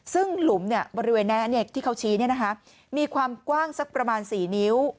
ซึ่งหลุมบริเวณแนะที่เขาชี้มีความกว้างสักประมาณ๔นิ้ว